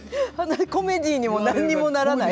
コメディーにも何にもならない。